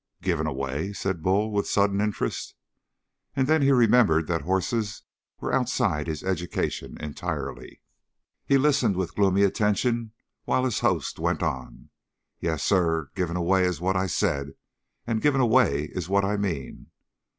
"Given away?" said Bull with a sudden interest. And then he remembered that horses were outside of his education entirely. He listened with gloomy attention while his host went on. "Yes, sir. Given away is what I said and given away is what I mean.